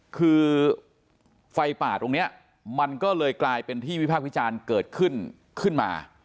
คือไฟป่าตรงนี้มันก็เลยกลายเป็นที่วิพากษ์วิจารณ์เกิดขึ้นขึ้นมา